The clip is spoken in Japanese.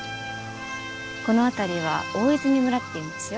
この辺りは大泉村っていうんですよ。